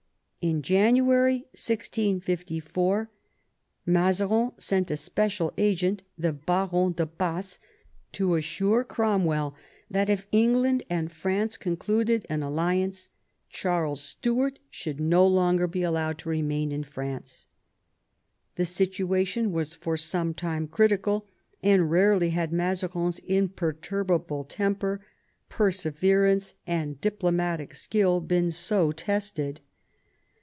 In January 1654 Mazarin sent a special agent, the Baron de Baas, to assure Cromwell that, if England and France concluded an alliance, Charles Stuart should no longer be allowed to reside in France. The situation was for some time critical, and rarely had Mazarines imper turbable temper, perseverance, and diplomatic skill been so tested.